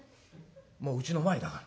もううちの前だから。